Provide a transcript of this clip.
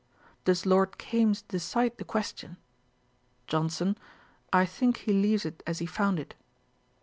'Does Lord Kames decide the question?' JOHNSON. 'I think he leaves it as he found it.'